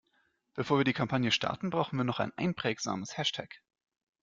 Bevor wir die Kampagne starten, brauchen wir noch ein einprägsames Hashtag.